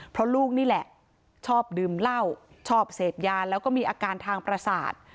เพราะลูกนี่แหละชอบดื่มเหล้าชอบเสพยาแล้วก็มีอาการทางประสาท